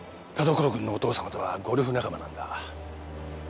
田所君のお父様とはゴルフ仲間なんだ。